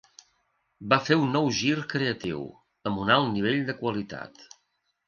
Va fer un nou gir creatiu, amb un alt nivell de qualitat.